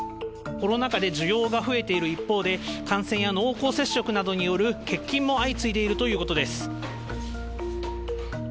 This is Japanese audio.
コロナ禍で需要が増えている一方で、感染や濃厚接触などによる欠勤も相次いでいるということです。